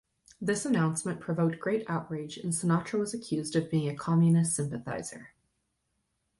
This announcement provoked great outrage, and Sinatra was accused of being a Communist sympathizer.